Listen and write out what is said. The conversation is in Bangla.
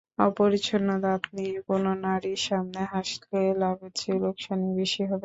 অপরিচ্ছন্ন দাঁত নিয়ে কোনো নারীর সামনে হাসলে লাভের চেয়ে লোকসানই বেশি হবে।